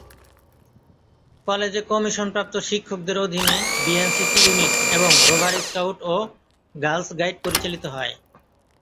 কলেজে কমিশনপ্রাপ্ত শিক্ষকদের অধীনে বিএনসিসি ইউনিট এবং রোভার স্কাউট ও গার্লস গাইড পরিচালিত হয়।